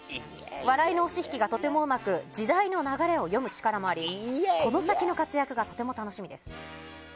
笑いの押し引きがとてもうまく時代の流れを読む力がありこの先の活躍がとても楽しみです。